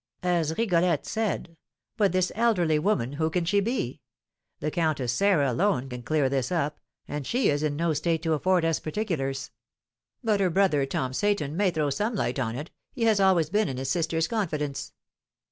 "As Rigolette said. But this elderly woman, who can she be? The Countess Sarah alone can clear this up, and she is in no state to afford us particulars." "But her brother, Tom Seyton, may throw some light on it, he has always been in his sister's confidence."